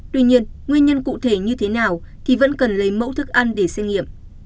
tuy nhiên nguyên nhân cụ thể như thế nào thì vẫn cần lấy mẫu thức ăn để xét nghiệm